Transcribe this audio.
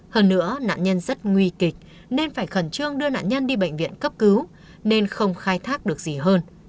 hơn nữa nạn nhân rất nguy kịch nên phải khẩn trương đưa nạn nhân đi bệnh viện cấp cứu nên không khai thác được gì hơn